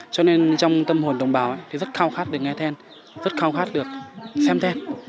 cho nên trong tâm hồn đồng bào thì rất khao khát được nghe then rất khao khát được xem then